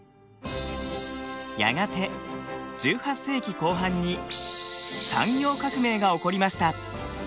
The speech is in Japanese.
やがて１８世紀後半に産業革命が起こりました。